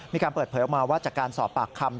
มีการเปิดเผยออกมาว่าจากการสอบปากคำ